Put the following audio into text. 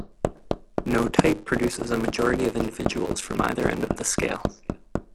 No type produces a majority of individuals from either end of the scale.